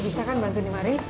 lo bisa kan bantu nih mari